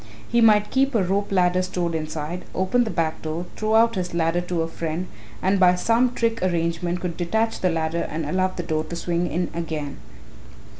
He might keep a rope ladder stored inside, open the back door, throw out his ladder to a friend and by some trick arrangement could detach the ladder and allow the door to swing to again."